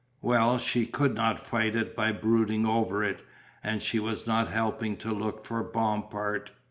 Well, she could not fight it by brooding over it, and she was not helping to look for Bompard.